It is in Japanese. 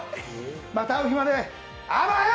また会う日まで、あばよ！